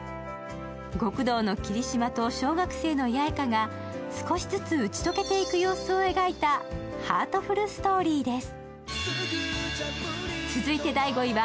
極道の霧島と小学生の八重花が少しずつ打ち解けていく様子を描いたハートフルストーリーです。